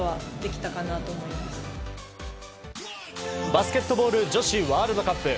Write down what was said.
バスケットボール女子ワールドカップ。